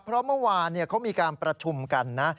เพราะเมื่อวานเขามีการประชุมกันนะ